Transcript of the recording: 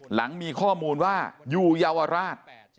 หลังมีข้อมูลว่าอยู่เยาวราช